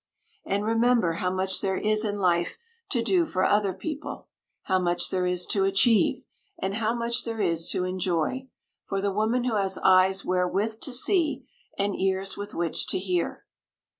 And remember how much there is in life to do for other people, how much there is to achieve, and how much there is to enjoy, for the woman who has eyes wherewith to see, and ears with which to hear.